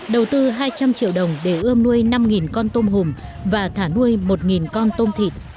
đầu tư hai trăm linh triệu đồng để ươm nuôi năm con tôm hùm và thả nuôi một con tôm thịt